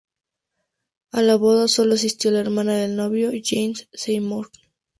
A la boda solo asistió la hermana del novio, Jane Seymour.